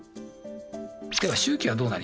では周期はどうなりますか？